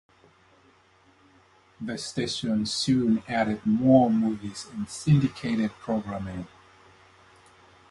The station soon added more movies and syndicated programming.